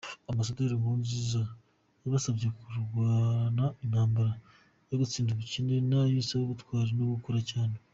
Ambasaderi Nkurunziza yabasabye kurwana intambara yo gutsinda ubukene nayo isaba ubutwari no gukora cyane.